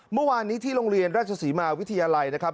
เมื่อวานนี้ที่โรงเรียนราชศรีมาวิทยาลัยนะครับ